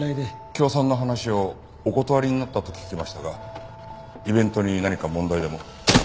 協賛の話をお断りになったと聞きましたがイベントに何か問題でも？